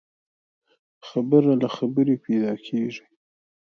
خبره له خبري پيدا کېږي.